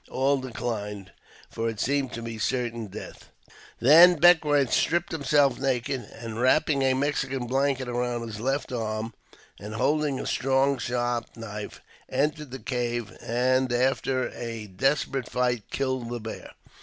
All declined, for it seemed to be certain death. Then Beckwourth stripped himself naked, and wrapping a Mexican blanket round his left arm, and holding a strong sharp knife, entered the cave, and after a desperate fight, killed the bear.